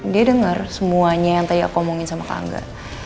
dia dengar semuanya yang tadi aku ngomongin sama kak angga